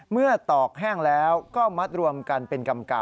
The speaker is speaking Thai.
ตอกแห้งแล้วก็มัดรวมกันเป็นกำ